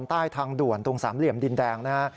อยู่ในทางด่วนตรงสามเหลี่ยมดินแดงนะครับ